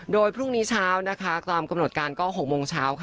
โดยพรุ่งนี้เช้านะคะตามกำหนดการก็๖โมงเช้าค่ะ